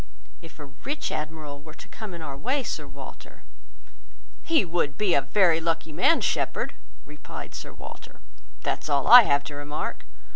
If a rich admiral were to come in our way, Sir Walter—" "He would be a very lucky man, Shepherd," replied Sir Walter; "that's all I have to remark.